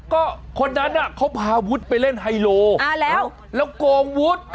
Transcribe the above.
ก็คนนั้นเขาพาวุฒิไปเล่นไฮโลแล้วแล้วโกงวุฒิ